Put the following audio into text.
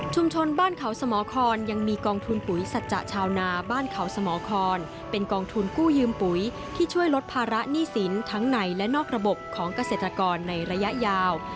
บ้านเขาสมครยังมีกองทุนปุ๋ยสัจจะชาวนาบ้านเขาสมครเป็นกองทุนกู้ยืมปุ๋ยที่ช่วยลดภาระหนี้สินทั้งในและนอกระบบของเกษตรกรในระยะยาว